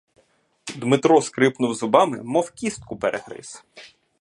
Дмитро скрипнув зубами, мов кістку перегриз.